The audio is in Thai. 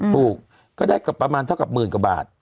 ถูกก็ได้กลับประมาณเท่ากับหมื่นกว่าบาท